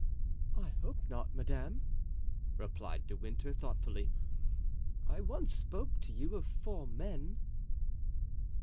"I hope not, madame," replied De Winter, thoughtfully; "I once spoke to you of four men."